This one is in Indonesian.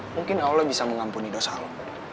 mungkin allah bisa mengampuni dosa allah